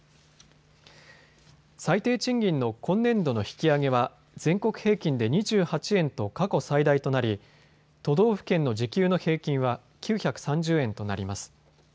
最低賃金の今年度の引き上げは全国平均で２８円と過去最大となり都道府県の時給の平均は９３０円となります。